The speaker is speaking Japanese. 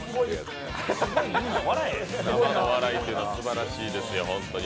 生の笑いっていうのはすばらしいですよ、本当に。